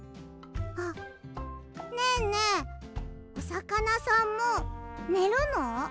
あっねえねえおさかなさんもねるの？